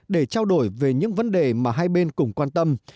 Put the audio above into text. để trao đổi về những vấn đề mà hai bên cùng quan tâm